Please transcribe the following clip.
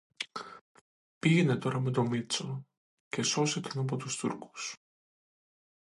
Πήγαινε τώρα με τον Μήτσο, και σώσε τον από τους Τούρκους